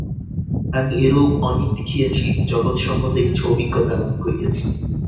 আমি এরূপ অনেক দেখিয়াছি, জগৎ-সম্বন্ধে কিছু অভিজ্ঞতা লাভ করিয়াছি।